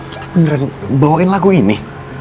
kita beneran bawain lagu ini